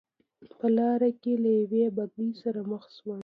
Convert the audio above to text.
په لار کې له یوې بګۍ سره مخ شوم.